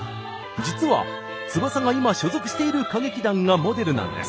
実は翼が今所属している歌劇団がモデルなんです。